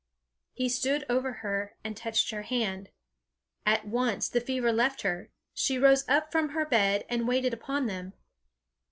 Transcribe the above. He stood over her, and touched her hand. At once the fever left her; she rose up from her bed and waited upon them.